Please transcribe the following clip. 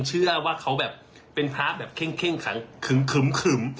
เชื่อว่าเขาแบบเป็นพระแบบเข้งเข้งขังขึมขึมขึม